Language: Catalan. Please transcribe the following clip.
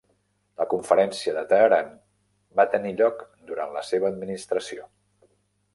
La Conferència de Teheran va tenir lloc durant la seva administració.